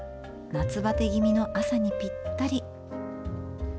夏バテ気味の朝にぴったり。